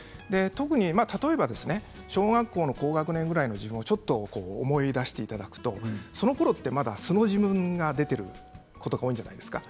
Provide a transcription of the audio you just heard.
例えば小学校の高学年ぐらいの自分を思い出していただくとそのころって、まだ素の自分が出ていることが多いんじゃないですか。